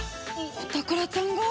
お宝ちゃんが！？